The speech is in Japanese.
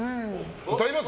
歌います？